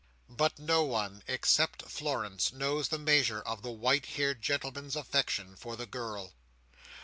But no one, except Florence, knows the measure of the white haired gentleman's affection for the girl.